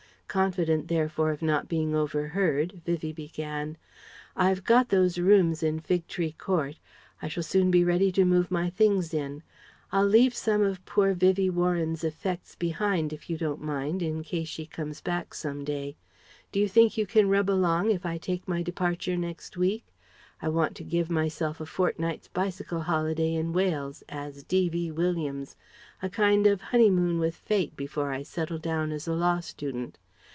Confident therefore of not being overheard, Vivie began: "I've got those rooms in Fig Tree Court. I shall soon be ready to move my things in. I'll leave some of poor Vivie Warren's effects behind if you don't mind, in case she comes back some day. Do you think you can rub along if I take my departure next week? I want to give myself a fortnight's bicycle holiday in Wales as D.V. Williams a kind of honeymoon with Fate, before I settle down as a law student.